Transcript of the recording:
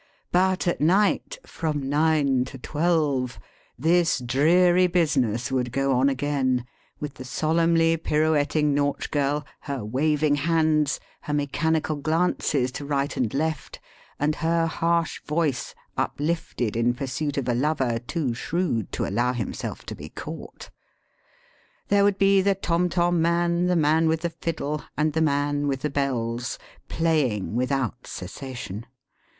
But at night '^ from 9 to 12 " this dreary business would go on again, with the solemnly pirouetting Nautch girl, her waving hands, her mechani cal glances to right and left, and her harsh voice uplifted in pursuit of a lover too shrewd to allow himself to be caught. There would be the tom tom man, the man with the fiddle, and the man with the bells, playing without cessation.